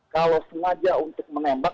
kalau sengaja untuk menembak